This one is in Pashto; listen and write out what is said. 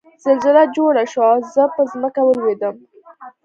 زلزله جوړه شوه او زه په ځمکه ولوېدم